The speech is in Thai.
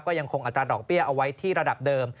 ก็ยังคงอัตราดอกเบี้ยเอาไว้ที่ระดับเดิม